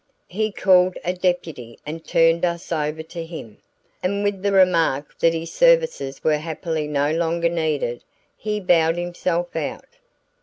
He called a deputy and turned us over to him; and with the remark that his services were happily no longer needed, he bowed himself out.